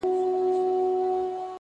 مثبت انسان د هیلو مشعل بل ساتي.!